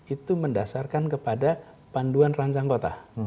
itu mendasarkan kepada panduan rancang kota